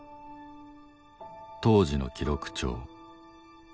当時の記録帳。